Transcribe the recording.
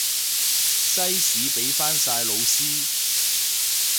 西史畀返晒老師